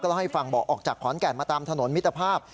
เล่าให้ฟังบอกออกจากขอนแก่นมาตามถนนมิตรภาพ